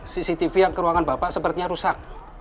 cctv yang ke ruangan bapak sepertinya rusak